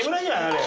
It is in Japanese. あれ。